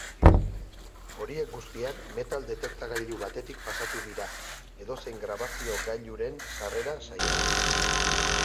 Horiek guztiak metal detektagailu batetik pasatu dira, edozein grabazio gailuren sarrera saihesteko.